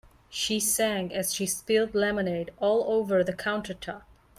She sang as she spilled lemonade all over the countertop.